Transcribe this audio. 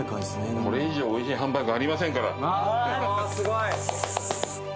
これ以上おいしいハンバーグはありませんから。